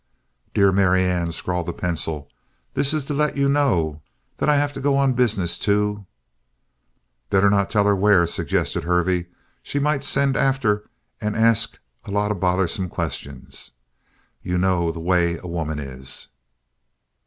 "Dear Marianne," scrawled the pencil, "this is to let you know that I have to go on business to " "Better not tell her where," suggested Hervey. "She might send after and ask a lot of bothersome questions. You know the way a woman is."